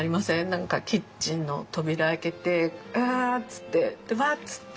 何かキッチンの扉開けてアーッつってでワッつって。